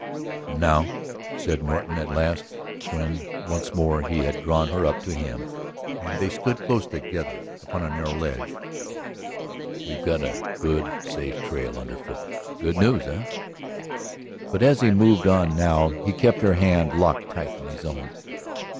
"And now," said Norton at last, when once more he had drawn her up to him and they stood close together upon a narrow ledge, "we've got a good, safe trail under foot. Good news, eh?" But as he moved on now he kept her hand locked tight in his own.